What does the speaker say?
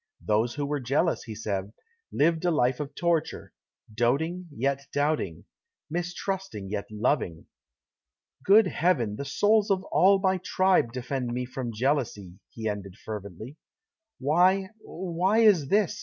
Those who were jealous, he said, lived a life of torture doating, yet doubting; mistrusting, yet loving. "Good Heaven! the souls of all my tribe defend me from jealousy!" he ended fervently. "Why why is this?"